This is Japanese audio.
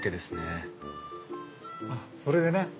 あっそれでね